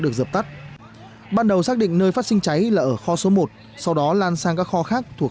được dập tắt ban đầu xác định nơi phát sinh cháy là ở kho số một sau đó lan sang các kho khác thuộc